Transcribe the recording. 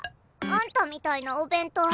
あんたみたいなお弁当